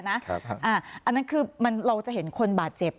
อันนั้นคือเราจะเห็นคนบาดเจ็บ